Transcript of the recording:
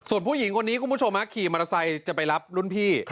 ส่วนผู้หญิงคนนี้คุณผู้ชมขี่มอเตอร์ไซค์จะไปรับรุ่นพี่